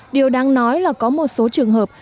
điều đáng nói là có một số trường hợp